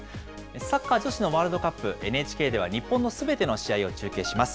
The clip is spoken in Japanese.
サッカー女子のワールドカップ、ＮＨＫでは日本のすべての試合を中継します。